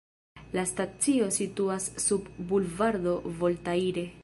La stacio situas sub Bulvardo Voltaire.